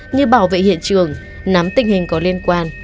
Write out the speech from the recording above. như bảo vệ hiện trường nắm tình hình có liên quan